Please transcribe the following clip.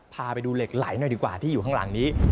พาไปดูเหล็กไหลหน่อยดีกว่าที่อยู่ข้างหลังนี้